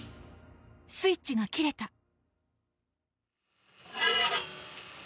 スイッチが切れた。